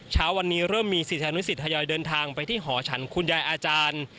เช้าวันนี้เริ่มมีศิษยานุสิตทยอยเดินทางไปที่หอฉันคุณยายอาจารย์